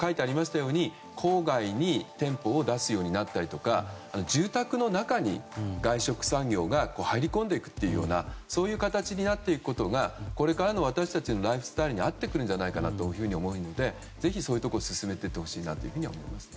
郊外に店舗を出すようになったりとか住宅の中に外食産業が入り込んでいくというようなそういう形になっていくことがこれからの私たちのライフスタイルになってくるんじゃないかと思うのでぜひ、そういうところを進めてほしいと思います。